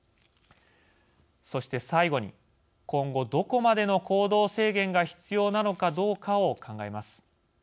そして最後に、今後どこまでの行動制限が必要なのかどうかを考えます。